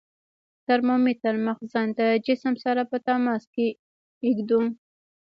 د ترمامتر مخزن د جسم سره په تماس کې ږدو.